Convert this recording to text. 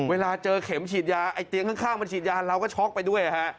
เวลาเจอเข็มฉีดยาไอ้เตียงข้างมันฉีดยาเราก็ช็อกไปด้วยฮะ